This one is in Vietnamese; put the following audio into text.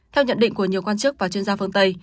theo nhận định của nhiều quan chức và chuyên gia phương tây